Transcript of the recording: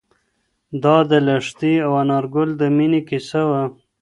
دا د لښتې او انارګل د مینې کیسه وه.